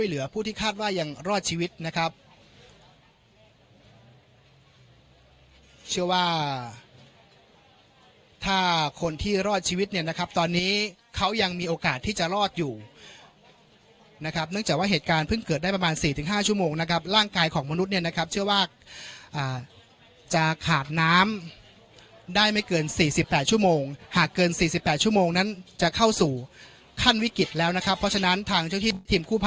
เหลือผู้ที่คาดว่ายังรอดชีวิตนะครับเชื่อว่าถ้าคนที่รอดชีวิตเนี่ยนะครับตอนนี้เขายังมีโอกาสที่จะรอดอยู่นะครับเนื่องจากว่าเหตุการณ์เพิ่งเกิดได้ประมาณ๔๕ชั่วโมงนะครับร่างกายของมนุษย์เนี่ยนะครับเชื่อว่าจะขาดน้ำได้ไม่เกิน๔๘ชั่วโมงหากเกิน๔๘ชั่วโมงนั้นจะเข้าสู่ขั้นวิกฤตแล้วนะครับเพราะฉะนั้นทางเจ้าที่พ